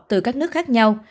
từ các nước khác nhau